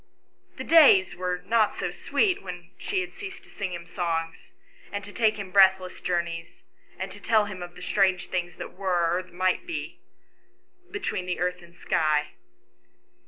The days were not so sweet when she had ceased to sing him songs, and to take him breathless journeys, and tell him of the strange things that were or that might be between the earth and sky.